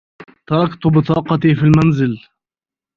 تركت بطاقتي في المنزل.